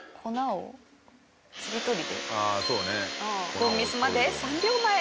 凡ミスまで３秒前。